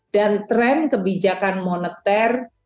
dan tren kebijakan moneter